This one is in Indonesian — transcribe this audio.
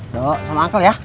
nuh sama ankel ya